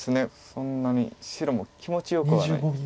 そんなに白も気持ちよくはない。